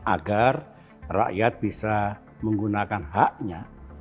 agar rakyat bisa menggunakan haknya